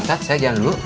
ustadz saya jalan dulu